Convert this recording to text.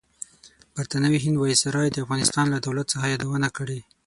برطانوي هند وایسرای د افغانستان لۀ دولت څخه یادونه کړې.